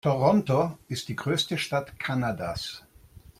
Toronto ist die größte Stadt Kanadas.